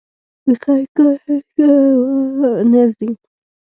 د خیر کار هیڅکله له منځه نه ځي.